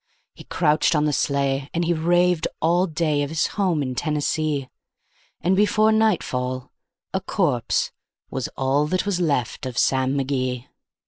He crouched on the sleigh, and he raved all day of his home in Tennessee; And before nightfall a corpse was all that was left of Sam McGee.